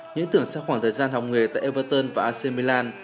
những tưởng sắc khoảng thời gian học nghề tại everton và ac milan